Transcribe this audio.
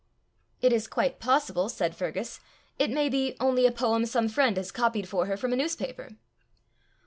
"It is quite possible," said Fergus, "it may be only a poem some friend has copied for her from a newspaper."